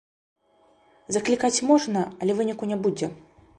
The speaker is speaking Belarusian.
Заклікаць можна, але выніку не будзе.